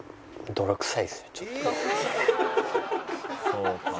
「そうか」